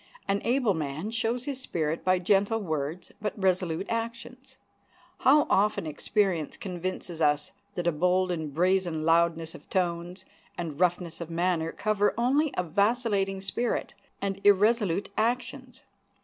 An able man shows his spirit by gentle words but resolute actions. How often experience convinces us that a bold and brazen loudness of tones and roughness of manner cover only a vacillating spirit and irresolute actions!